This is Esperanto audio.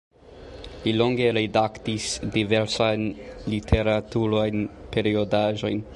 Li longe redaktis diversajn literaturajn periodaĵojn.